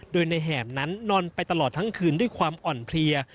โดยในแหบนั้นนอนไปตลอดทั้งคืนด้วยความอ่อนเพลีย